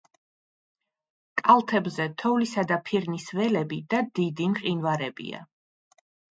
კალთებზე თოვლისა და ფირნის ველები და დიდი მყინვარებია.